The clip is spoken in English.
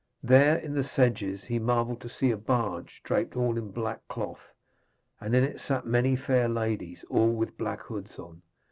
There, in the sedges, he marvelled to see a barge draped all in black cloth, and in it sat many fair ladies, all with black hoods on.